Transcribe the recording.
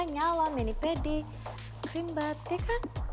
nyala mini pedi krim batik